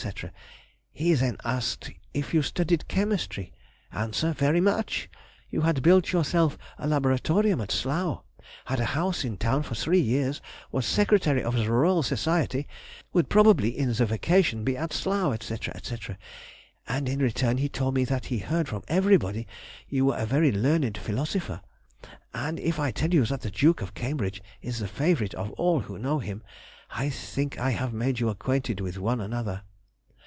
... then he asked if you studied chemistry? answer, very much! you had built yourself a laboratorium at Slough, had a house in town for three years, was secretary of the Royal Society, would probably, in the vacation, be at Slough, &c., &c., and in return he told me that he heard from everybody you were a very learned philosopher; and if I tell you that the Duke of Cambridge is the favourite of all who know him, I think I have made you acquainted with one another.